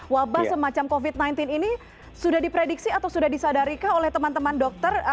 wabah semacam covid sembilan belas ini sudah diprediksi atau sudah disadarikah oleh teman teman dokter